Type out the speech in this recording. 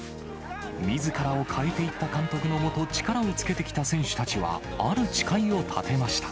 みずからを変えていった監督の下、力をつけてきた選手たちはある誓いを立てました。